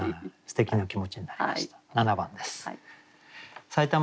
すてきな気持ちになりました。